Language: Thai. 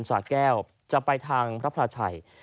สาแก้วจะไปทางพระพลาชัย